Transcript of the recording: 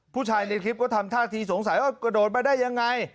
ผู้ชายในคลิปก็ทำท่าทีสงสัยว่ากระโดดมาได้ยังไง